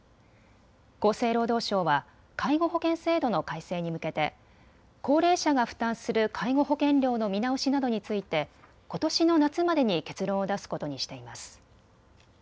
厚生労働省は介護保険制度の改正に向けて高齢者が負担する介護保険料の見直しなどについてことしの夏までに結論を出すことにしています。